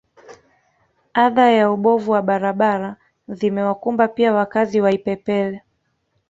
Adha ya ubovu wa barabara zimewakumba pia wakazi wa Ipepele